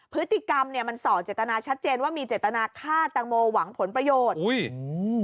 พฤติกรรมเนี่ยมันส่อเจตนาชัดเจนว่ามีเจตนาฆ่าแตงโมหวังผลประโยชน์อุ้ยอืม